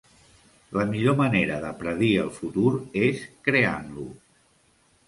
La millor manera de predir el futur és creant-lo.